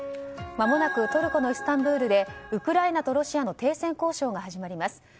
まもなくトルコのイスタンブールでウクライナとロシアの停戦交渉が始まります。